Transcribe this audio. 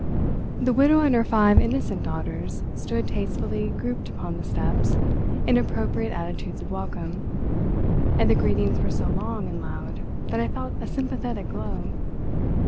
The widow and her five innocent daughters stood tastefully grouped upon the steps in appropriate attitudes of welcome; and the greetings were so long and loud that I felt a sympathetic glow.